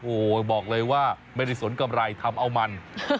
โอ้โหบอกเลยว่าไม่ได้สนกำไรทำเอามัน